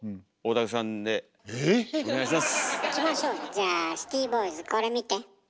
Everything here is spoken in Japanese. じゃあシティボーイズこれ見て。